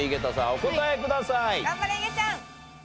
お答えください。